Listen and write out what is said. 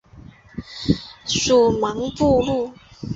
属茫部路。